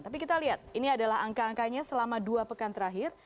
tapi kita lihat ini adalah angka angkanya selama dua pekan terakhir